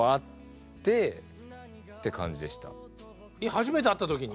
初めて会った時に？